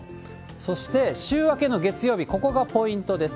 そして週明けの月曜日、ここがポイントです。